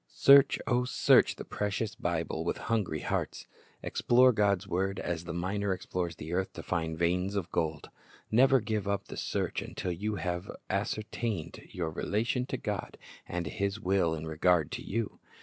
Search, O search the precious Bible with hungry hearts. Explore God's word as the miner explores the earth to find veins of gold. Never give up the search until you have ascertained your relation to God and His will in regard to you.